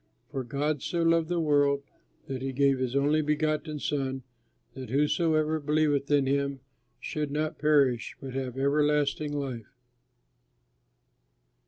"For God so loved the world, that he gave his only begotten Son, that whosoever believeth in him, should not perish, but have everlasting life."